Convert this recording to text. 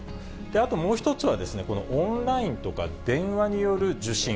あともう一つは、このオンラインとか電話による受診。